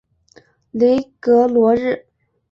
雷格罗日。